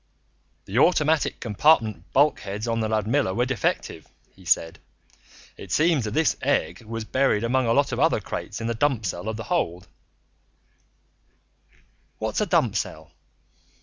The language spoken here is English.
"The automatic compartment bulkheads on the Ludmilla were defective," he said. "It seems that this egg was buried among a lot of other crates in the dump cell of the hold " "What's a dump cell?"